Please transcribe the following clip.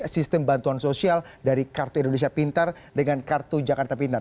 sistem bantuan sosial dari kartu indonesia pintar dengan kartu jakarta pintar